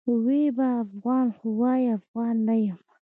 وي به افغان؛ خو وايي افغان نه یمه